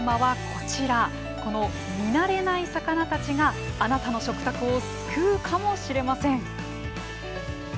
この見慣れない魚たちがあなたの食卓を救うかもしれません。